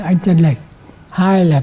an tranh lệch hai là